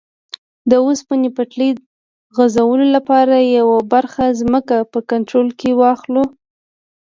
د اوسپنې پټلۍ غځولو لپاره یوه برخه ځمکه په کنټرول کې واخلو.